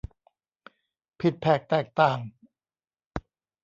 ผิดแผกแตกต่าง